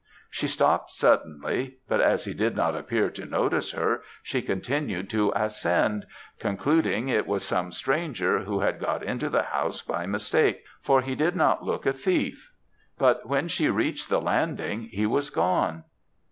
She stopt suddenly, but as he did not appear to notice her, she continued to ascend, concluding it was some stranger, who had got into the house by mistake, for he did not look a thief; but when she reached the landing he was gone.